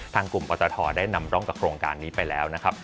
ทางกลุ่มปตทได้นำร่องกับโครงการนี้ไปแล้วนะครับ